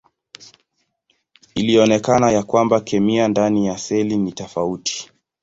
Ilionekana ya kwamba kemia ndani ya seli ni tofauti.